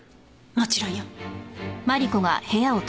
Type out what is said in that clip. もちろんよ。